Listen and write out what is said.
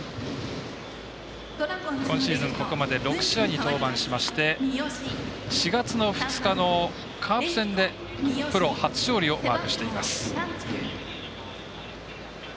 今シーズン、ここまで６試合に登板しまして４月の２日のカープ戦でプロ初勝利をマークしています。